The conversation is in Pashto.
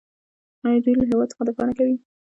آیا دوی له هیواد څخه دفاع نه کوي؟